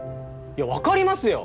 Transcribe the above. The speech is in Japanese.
いやわかりますよ！